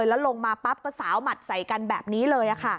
แล้วลงมาปั๊บก็สาวหมัดใส่กันแบบนี้เลย